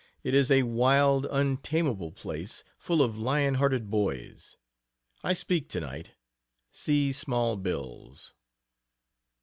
It is a wild, untamable place, full of lionhearted boys. I speak tonight. See small bills.